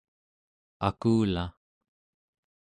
akulaᵉ